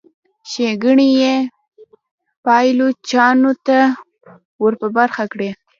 ښېګڼې یې پایلوچانو ته ور په برخه کړي.